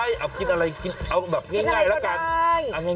อยากกินอะไรเอาแบบง่ายก็ได้